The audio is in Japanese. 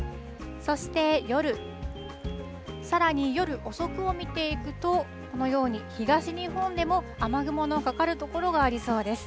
そして夜、さらに夜遅くを見ていくと、このように東日本でも雨雲のかかる所がありそうです。